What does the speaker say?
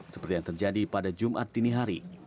seperti yang terjadi pada jumat dini hari